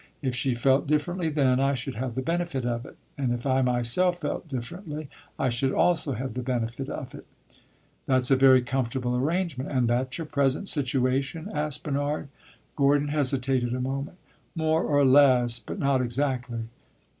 If she felt differently then, I should have the benefit of it, and if I myself felt differently, I should also have the benefit of it." "That 's a very comfortable arrangement. And that 's your present situation?" asked Bernard. Gordon hesitated a moment. "More or less, but not exactly."